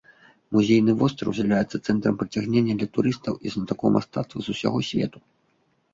Музейны востраў з'яўляецца цэнтрам прыцягнення для турыстаў і знатакоў мастацтва з усяго свету.